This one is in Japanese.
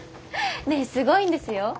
ねえすごいんですよ。